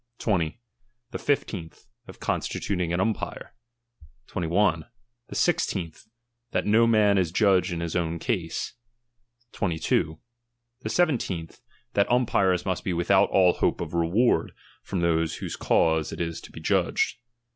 20. The fifteenth, of consti tuting an umpire. 21. The sixteenth, that no man is judge ID his own cause. 22. The seventeenth, that umpires must be without all hope of reward from those whose cause is to be judged.